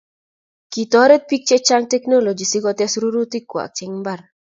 kitoret biik chechang teknology si kotes rurutik kwach en mbar